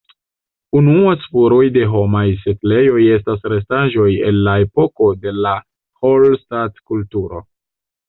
Unua spuroj de homaj setlejoj estas restaĵoj el la epoko de la Hallstatt-kulturo.